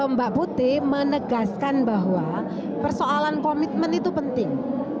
mbak putih menegaskan bahwa persoalan komitmen itu penting